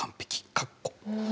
括弧。